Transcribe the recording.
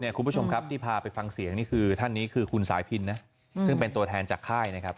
นี่คุณผู้ชมครับที่พาไปฟังเสียงเงี้ยคือคุณสายพินซึ่งเป็นตัวแทนข้าวบรรพาทนะครับ